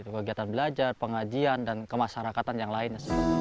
kegiatan belajar pengajian dan kemasyarakatan yang lain